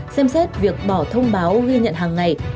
xem xét việc bỏ thông báo ghi nhận hàng ngày